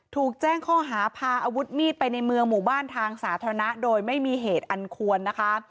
ถูกแจ้งข้อหาพาอาวุธมีดไปในเมืองหมู่บ้านทางสาธารณะโดยไม่มีเหตุอันควรนะคะ